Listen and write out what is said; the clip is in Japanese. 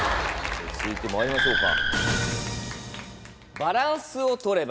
続いてまいりましょうか。